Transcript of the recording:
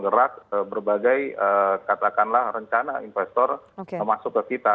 ini akan menggerak berbagai katakanlah rencana investor masuk ke kita